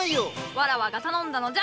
わらわが頼んだのじゃ！